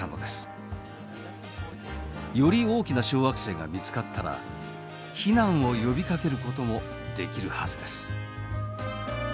より大きな小惑星が見つかったら避難を呼びかけることもできるはずです。